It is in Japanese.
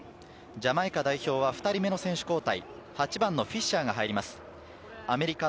ジャマイカ代表は２人目の選手交代。